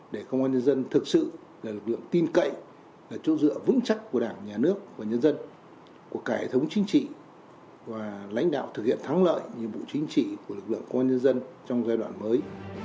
để công an nhân dân thực sự là lực lượng tin cậy là chỗ dựa vững chắc của đảng nhà nước và nhân dân của cải thống chính trị và lãnh đạo thực hiện thắng lợi nhiệm vụ chính trị của lực lượng công an nhân dân trong giai đoạn mới